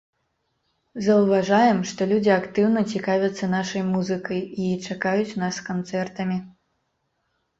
Заўважаем, што людзі актыўна цікавяцца нашай музыкай і чакаюць нас з канцэртамі.